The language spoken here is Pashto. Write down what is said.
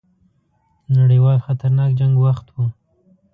د نړیوال خطرناک جنګ وخت وو.